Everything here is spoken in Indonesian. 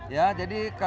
ya jadi kalau